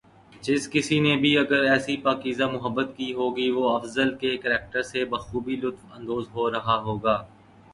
جس کسی نے بھی اگر ایسی پاکیزہ محبت کی ہوگی وہ افضل کے کریکٹر سے بخوبی لطف اندوز ہو رہا ہوگا